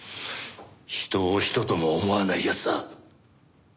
人を人とも思わない奴だ。